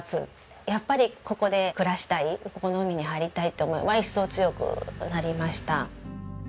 やっぱりここで暮らしたいここの海に入りたいって思いは一層強くなりました。